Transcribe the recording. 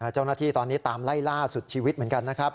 เจ้าหน้าที่ตอนนี้ตามไล่ล่าสุดชีวิตเหมือนกันนะครับ